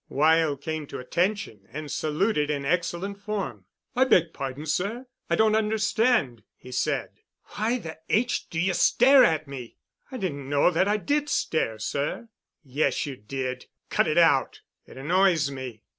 Weyl came to attention and saluted in excellent form. "I beg pardon, sir. I don't understand," he said. "Why the H—— do you stare at me?" "I didn't know that I did stare, sir." "Yes, you did. Cut it out. It annoys me."